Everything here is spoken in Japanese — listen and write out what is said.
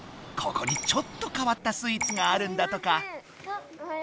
ここにちょっと変わったスイーツがあるんだとか。